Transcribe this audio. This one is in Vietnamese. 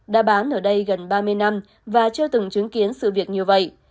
đã bán ở đây gần ba mươi năm và chưa từng chứng kiến sự việc như vậy